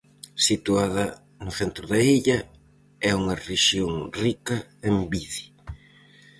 Situada no centro da illa, é unha rexión rica en vide.